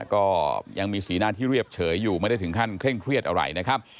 ก็ยังมีสีหน้าที่เรียบเฉยอยู่ไม่ได้ถึงขั้นเคร่งเครียดอะไรนะครับ